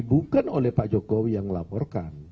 bukan oleh pak jokowi yang laporkan